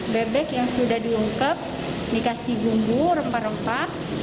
bebek yang sudah diungkep dikasih bumbu rempah rempah